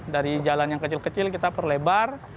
dari jalan yang kecil kecil kita perlebar